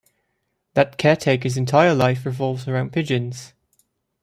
That caretaker's entire life revolves around pigeons.